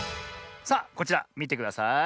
さあこちらみてください。